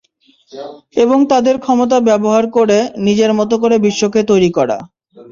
এবং তাদের ক্ষমতা ব্যবহার করে, নিজের মত করে বিশ্বকে তৈরি করা।